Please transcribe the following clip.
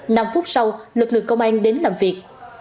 năm phút sau lực lượng công an đến làm việc